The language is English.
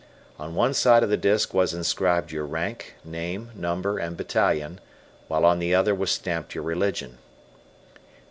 On one side of the disk was inscribed your rank, name, number, and battalion, while on the other was stamped your religion.